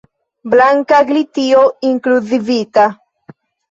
Blanka glitilo inkluzivita.